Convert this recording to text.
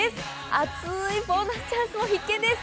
熱いボーナスチャンスも必見です。